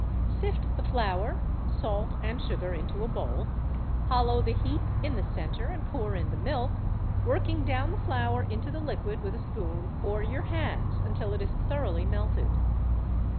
Sift the flour, salt and sugar into a bowl, hollow the heap in the centre and pour in the milk, working down the flour into the liquid with a spoon or your hands until it is thoroughly melted.